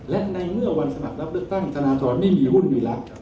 และในเมื่อวันสมัครรับเลือกตั้งธนทรไม่มีหุ้นมีรัฐ